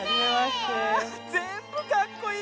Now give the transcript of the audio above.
ぜんぶかっこいい！